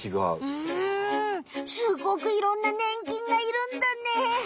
うんすごくいろんなねん菌がいるんだね。